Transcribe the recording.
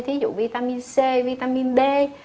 thí dụ vitamin c vitamin d